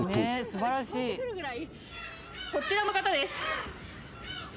こちらの方です。